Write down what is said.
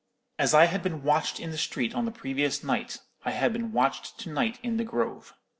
"As I had been watched in the street on the previous night, I had been watched to night in the grove.